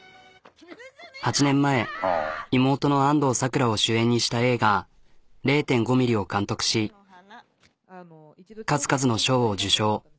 ８年前妹の安藤サクラを主演にした映画「０．５ミリ」を監督し数々の賞を受賞。